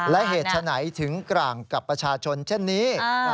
และเหตุฉะไหนถึงกลางกับประชาชนเช่นนี้